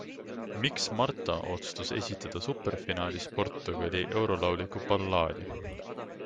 Miks Marta otsustas esitada superfinaalis Portugali eurolauliku ballaadi?